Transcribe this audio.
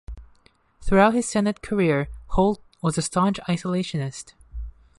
Throughout his Senate career, Holt was a staunch isolationist.